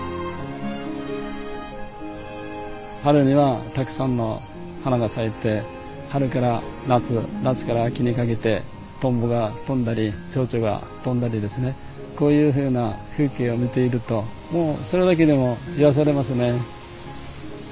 春にはたくさんの花が咲いて春から夏夏から秋にかけてとんぼが飛んだりちょうちょが飛んだりですねこういうふうな風景を見ているともうそれだけでも癒やされますね。